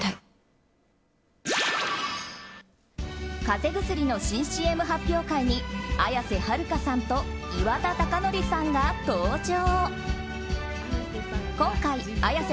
風邪薬の新ＣＭ発表会に綾瀬はるかさんと岩田剛典さんが登場。